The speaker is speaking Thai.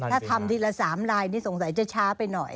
ถ้าทำทีละ๓ลายนี่สงสัยจะช้าไปหน่อย